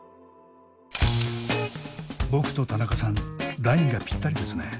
僕と田中さんラインがぴったりですね。